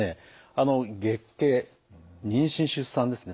あの月経妊娠出産ですね